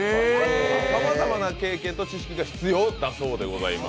さまざまな経験と知識が必要だそうです。